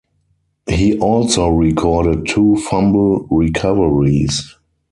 He also recorded two fumble recoveries.